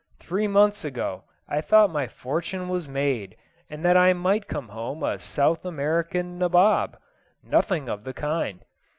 Three months ago I thought my fortune was made, and that I might come home a South American nabob. Nothing of the kind.